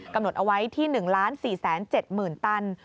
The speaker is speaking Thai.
กำหนดเอาไว้ที่๑๔๗๐๐๐ตัน